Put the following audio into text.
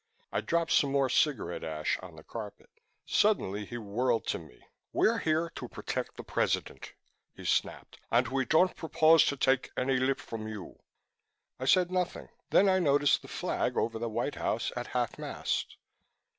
I dropped some more cigarette ash on the carpet. Suddenly he whirled to me. "We're here to protect the President," he snapped, "and we don't propose to take any lip from you." I said nothing. Then I noticed the flag over the White House at half mast.